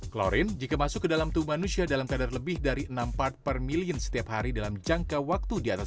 klorin jika masuk ke dalam tubuh manusia dalam kadar lebih dari enam part per million setiap hari dalam jangka waktu di atas